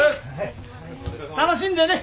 楽しんでね。